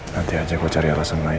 nanti aja gue cari alasan lain